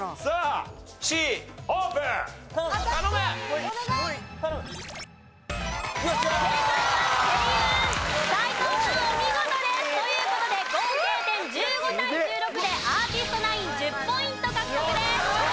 お見事です！という事で合計点１５対１６でアーティストナイン１０ポイント獲得です。